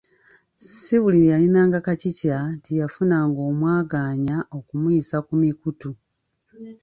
Si buli yalinanga kacica nti yafunanga omwagaanya okumuyisa ku mikutu